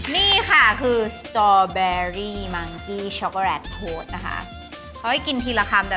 นี่ค่ะคือสตอร์เบอร์รี่มังกี้ช็อกโกแลตโท๊ดนะคะเขาให้กินทีละคำแต่เราอยากจะมิคกันเลยระหว่างกล้วยกันเลยค่ะ